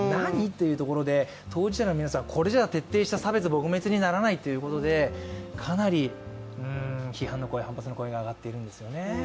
というところで当事者の皆さん、これでは徹底した差別撲滅にならないということでかなり批判の声、反発の声が上がっているんですよね。